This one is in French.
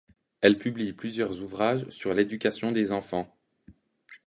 Elle publie plusieurs ouvrages sur l’éducation des enfants.